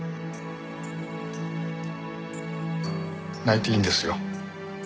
泣いていいんですよ。